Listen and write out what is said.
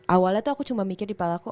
awalnya tuh aku cuma mikir di palaku